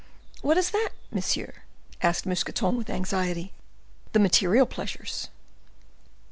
"What is that, monsieur?" asked Mousqueton, with anxiety. "The material pleasures."